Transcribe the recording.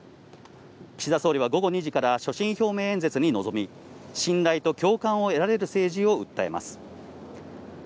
岸田総理は午後２時から所信表明演説に臨み、信頼と共感を得られる政治を訴えます。